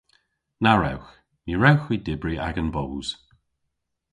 Na wrewgh. Ny wrewgh hwi dybri agan boos.